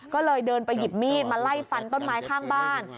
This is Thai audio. ก็เลยเดินไปหยิบมีดมาไล่ฟันต้นไม้ข้างบ้าน